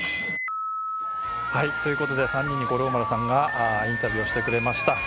ということで３人に五郎丸さんがインタビューをしてくれました。